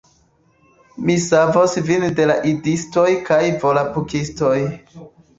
Mi savos vin de la Idistoj kaj Volapukistoj